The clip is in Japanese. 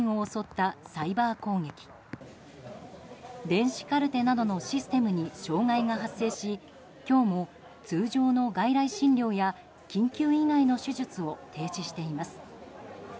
電子カルテなどのシステムに障害が発生し今日も通常の外来診療や緊急以外の手術を停止しています。